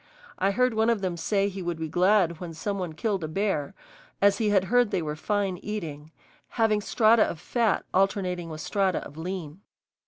I heard one of them say he would be glad when some one killed a bear, as he had heard they were fine eating, having strata of fat alternating with strata of lean.